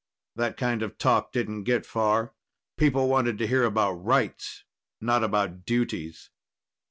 That kind of talk didn't get far. People wanted to hear about rights, not about duties.